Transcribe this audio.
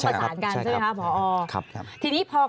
สามารถรู้ได้เลยเหรอคะ